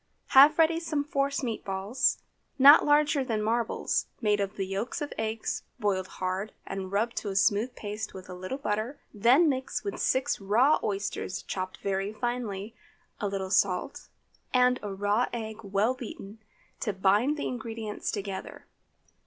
Have ready some force meat balls, not larger than marbles, made of the yolks of the eggs boiled hard and rubbed to a smooth paste with a little butter, then mix with six raw oysters chopped very finely, a little salt, and a raw egg well beaten, to bind the ingredients together.